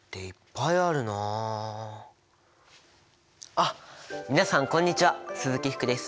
あっ皆さんこんにちは鈴木福です。